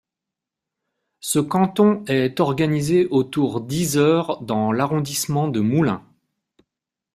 Ce canton est organisé autour d'Yzeure dans l'arrondissement de Moulins.